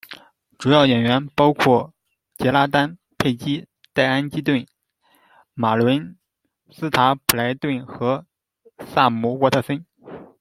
主要演员包括杰拉丹·佩姬、黛安·基顿、、、、、玛伦·斯塔普莱顿和萨姆·沃特森。